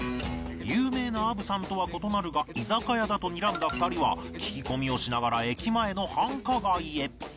有名なあぶさんとは異なるが居酒屋だとにらんだ２人は聞き込みをしながら駅前の繁華街へ